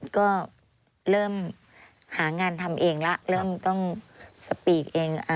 ก็เริ่มหางานทำเองแล้วเริ่มต้องสปีกเอง